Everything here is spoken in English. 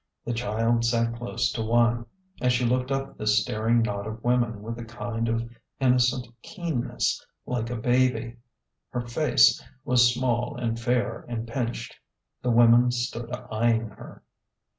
The child sat close to one, and she looked up at the staring knot of women with a kind of innocent keenness, like a baby. Her face was small and fair and pinched. The women stood eying her.